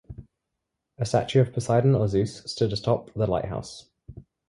A statue of Poseidon or Zeus stood atop the lighthouse.